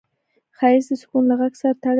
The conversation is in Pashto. ښایست د سکوت له غږ سره تړلی دی